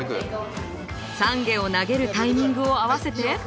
散華を投げるタイミングを合わせて。